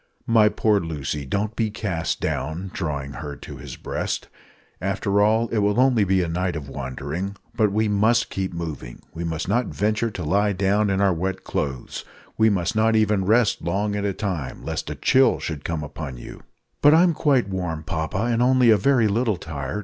"My poor Lucy, don't be cast down," (drawing her to his breast), "after all, it will only be a night of wandering. But we must keep moving. We must not venture to lie down in our wet clothes. We must not even rest long at a time, lest a chill should come upon you." "But I'm quite warm, papa, and only a very little tired.